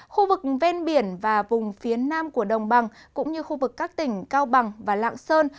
khu vực ven biển và vùng phía nam của đồng bằng cũng như khu vực các tỉnh cao bằng và lạng sơn